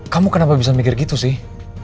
kamu kenapa bisa mikir gitu sih